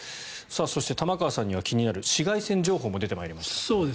そして、玉川さんには気になる紫外線情報も出てまいりました。